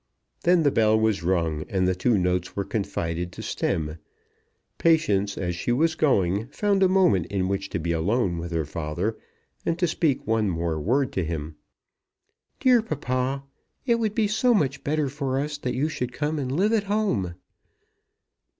Then the bell was rung, and the two notes were confided to Stemm. Patience, as she was going, found a moment in which to be alone with her father, and to speak one more word to him. "Dear papa, it would be so much better for us that you should come and live at home.